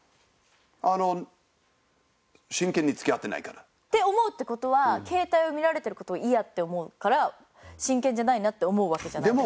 あの真剣に付き合ってないから。って思うって事は携帯を見られてる事を嫌って思うから真剣じゃないなって思うわけじゃないですか。